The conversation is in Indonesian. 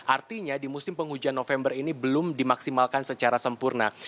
artinya di musim penghujan november ini belum dimaksimalkan secara sempurna